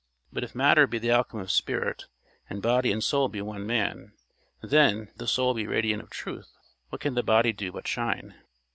But if matter be the outcome of spirit, and body and soul be one man, then, if the soul be radiant of truth, what can the body do but shine?